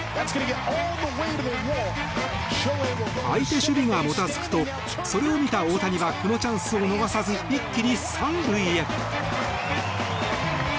相手守備がもたつくとそれを見た大谷はこのチャンスを逃さず一気に３塁へ。